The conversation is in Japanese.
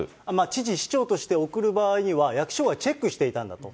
知事、市長として送る場合には、役所はチェックしていたんだと。